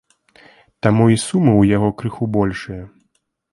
Таму і сумы ў яго крыху большыя.